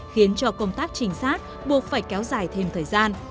khiến cho công tác trinh sát buộc phải kéo dài thêm thời gian